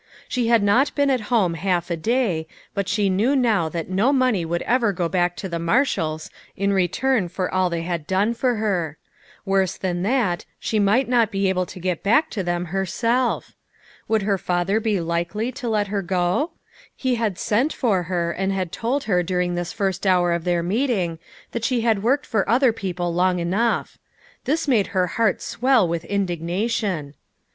She had not been at home half a day, but she knew now that no money would ever go back to the Marshalls in return for all they had done for her. Worse than that, she might not be able to get back to them herself. Would her father be likely to let her go? He had sent for her, and had told her during this first hour of their meeting, that she had worked for other people long enough. This made her heart swell with indignation.